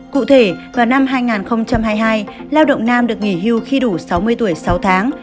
cụ thể vào năm hai nghìn hai mươi hai lao động nam được nghỉ hưu khi đủ sáu mươi tuổi sáu tháng